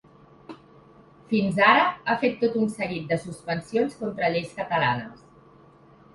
Fins ara ha fet tot un seguit de suspensions contra lleis catalanes.